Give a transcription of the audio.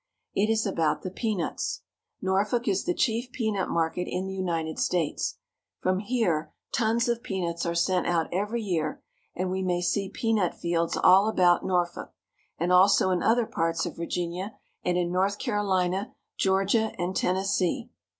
It is about the peanuts. Norfolk is the chief peanut market in the United States. From here tons of peanuts are sent out every year, and we may see peanut fields all about Norfolk, and also in other parts of Virginia, and in North Carolina, Georgia, and Tennessee.